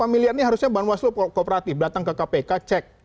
delapan miliar ini harusnya ban waslu koopratif datang ke kpk cek